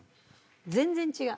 全然違う。